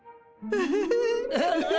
ウフフフフ。